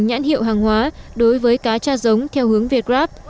nhãn hiệu hàng hóa đối với cá tra giống theo hướng việt grab